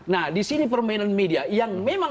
nah di sini permainan media